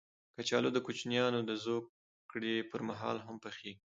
کچالو د کوچنیانو د زوکړې پر مهال هم پخېږي